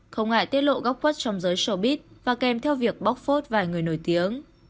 không ngại tiết lộ góc quất trong giới sobit và kèm theo việc bóc phốt vài người nổi tiếng